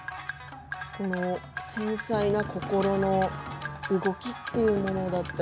繊細な心の動きというものだったり。